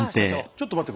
ちょっと待って。